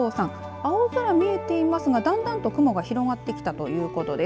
青空、見えていますがだんだんと雲が広がってきたということです。